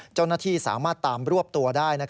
เจ้าหน้าที่สามารถตามรวบตัวได้